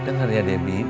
dengar ya debbie